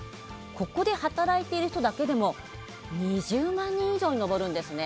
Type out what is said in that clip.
ここで働いている人だけでも２０万人以上に上るんですね。